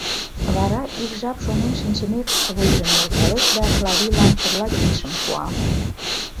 Вара ик жап шонен шинчымек, вуйжым нӧлталеш да Клавийлан пурла кидшым пуа.